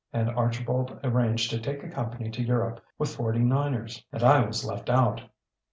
And Archibald arranged to take a company to Europe with 'Forty Miners.' And I was left out!